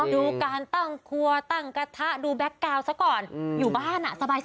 ดูการตั้งครัวตั้งกระทะดูแก๊กกาวน์ซะก่อนอยู่บ้านสบาย